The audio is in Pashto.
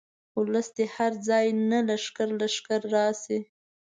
اولس دې هر ځاي نه لښکر لښکر راشي.